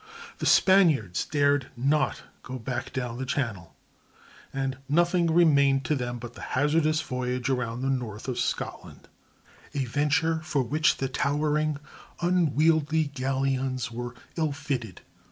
The Spaniards dared not go back down the Channel, and nothing remained to them but the hazardous voyage around the north of Scotland—a venture for which the towering, unwieldy galleons were ill fitted.